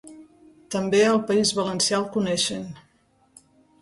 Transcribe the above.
També al País Valencià el coneixen.